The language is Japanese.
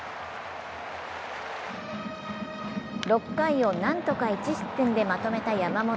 ６回を何とか１失点でまとめた山本。